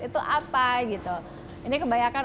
itu apa gitu ini kebanyakan